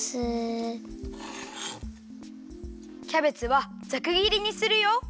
キャベツはざくぎりにするよ。